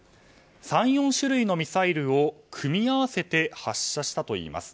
３４種類のミサイルを組み合わせて発射したといいます。